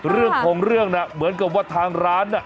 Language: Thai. เรื่องของเรื่องน่ะเหมือนกับว่าทางร้านน่ะ